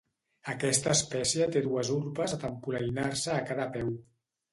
Aquesta espècie té dues urpes d'empolainar-se a cada peu.